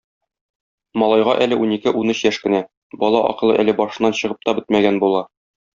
Малайга әле унике-унөч яшь кенә, бала акылы әле башыннан чыгып та бетмәгән була.